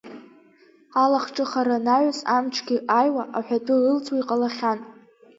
Алахҿыхра анаҩс, амчгьы аиуа, аҳәатәгьы ылҵуа иҟалахьан.